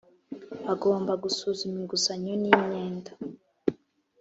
bagomba gusuzuma inguzanyo n’imyenda